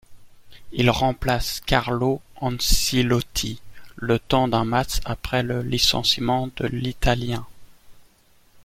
Il remplace Carlo Ancelotti le temps d'un match après le licenciement de l'italien.